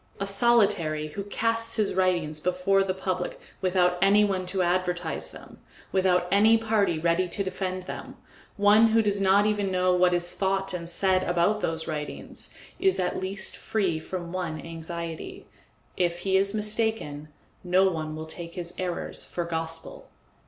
A solitary who casts his writings before the public without any one to advertise them, without any party ready to defend them, one who does not even know what is thought and said about those writings, is at least free from one anxiety if he is mistaken, no one will take his errors for gospel.